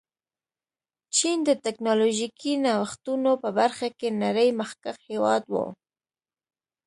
چین د ټکنالوژيکي نوښتونو په برخه کې نړۍ مخکښ هېواد و.